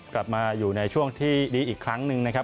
กลับมาอยู่ในช่วงที่ดีอีกครั้งหนึ่งนะครับ